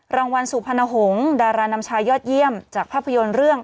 รางวัลสุพรรณหงษ์ดารานำชายยอดเยี่ยมจากภาพยนตร์เรื่อง